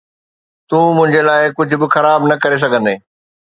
تون منهنجي لاءِ ڪجهه به خراب نه ڪري سگهندين.